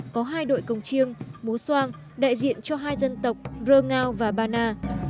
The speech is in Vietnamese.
có hai đội cồng chiêng mối soan đại diện cho hai dân tộc rơ ngao và ba na